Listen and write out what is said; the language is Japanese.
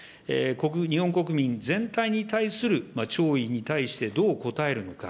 日本国民全体に対する弔意に対して、どう応えるのか。